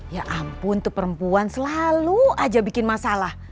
ya ampun untuk perempuan selalu aja bikin masalah